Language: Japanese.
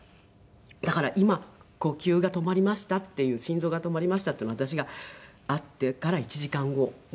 だから今呼吸が止まりましたっていう心臓が止まりましたっていうのを私が会ってから１時間後だったんですよね。